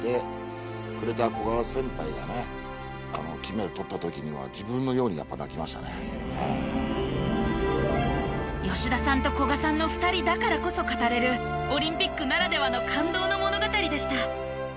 金メダルとった時には吉田さんと古賀さんの２人だからこそ語れるオリンピックならではの感動の物語でした。